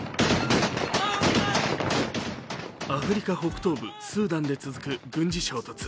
アフリカ北東部スーダンで続く軍事衝突。